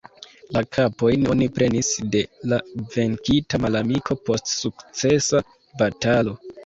La kapojn oni prenis de la venkita malamiko, post sukcesa batalo.